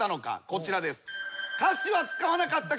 こちらです。